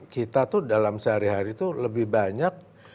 kita tuh dalam sehari hari itu lebih banyak